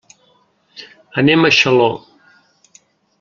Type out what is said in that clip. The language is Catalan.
Anem a Xaló.